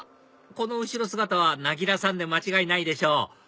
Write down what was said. この後ろ姿はなぎらさんで間違いないでしょう